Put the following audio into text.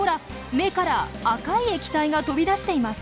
目から赤い液体が飛び出しています。